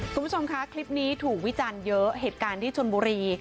คุณผู้ชมคะคลิปนี้ถูกวิจารณ์เยอะเหตุการณ์ที่ชนบุรี